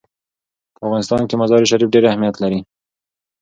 په افغانستان کې مزارشریف ډېر اهمیت لري.